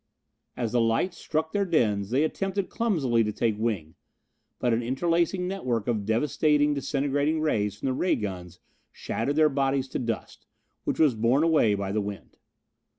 As the light struck their dens, they attempted clumsily to take wing, but a interlacing network of devastating disintegrating rays from the ray guns shattered their bodies to dust, which was borne away by the wind.